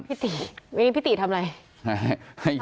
พี่ตีวันนี้พี่ติทำอะไร